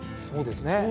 そうですね。